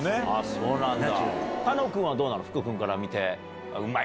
そうなんだ。